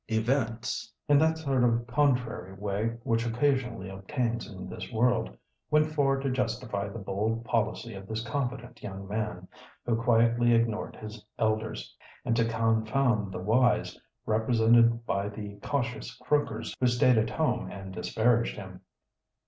Events—in that sort of contrary way which occasionally obtains in this world—went far to justify the bold policy of this confident young man, who quietly ignored his elders, and to confound the wise, represented by the cautious croakers who stayed at home and disparaged him.